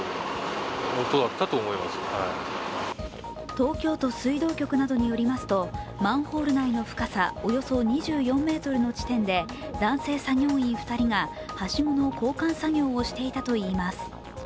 東京都水道局などによりますとマンホール内の深さおよそ２４ｍの地点で男性作業員２人がはしごの交換作業をしていたといいます。